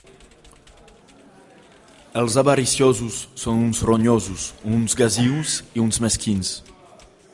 Els avariciosos són uns ronyosos, uns gasius i uns mesquins.